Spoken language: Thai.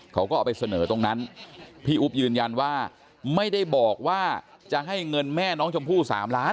เขาก็เอาไปเสนอตรงนั้นพี่อุ๊บยืนยันว่าไม่ได้บอกว่าจะให้เงินแม่น้องชมพู่๓ล้าน